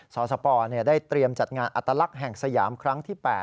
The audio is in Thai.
สสปได้เตรียมจัดงานอัตลักษณ์แห่งสยามครั้งที่๘